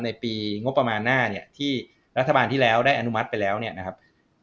ในปีงบประมาณหน้าเนี่ยที่รัฐบาลที่แล้วได้อนุมัติไปแล้วเนี่ยนะครับ